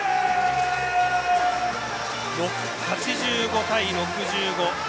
８５対６５。